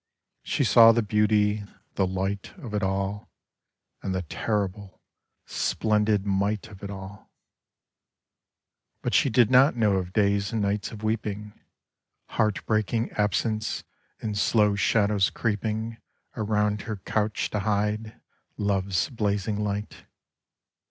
She saw the beauty, the light of it all, And the terrible, splendid might of it all. But she did not know of days and nights of weeping, Heart breaking absence and slow shadows creeping Around her couch to hide*Love's blazing light.